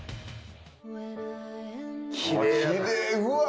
きれい！